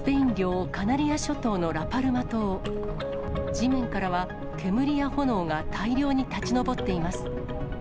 地面からは、煙や炎が大量に立ち上っています。